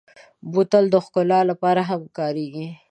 بوتل د ښکلا لپاره هم کارېږي.